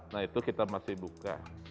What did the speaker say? nah itu kita masih buka